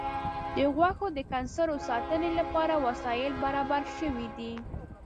د غوښو د کنسرو ساتنې لپاره وسایل برابر شوي دي.